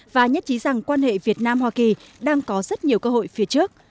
và nhất trí rằng quan hệ việt nam hoa kỳ đang có rất nhiều cơ hội phía trước